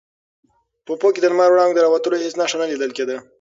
په افق کې د لمر وړانګو د راوتلو هېڅ نښه نه لیدل کېده.